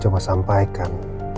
kalau aku coba sampaikan